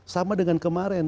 sama dengan kemarin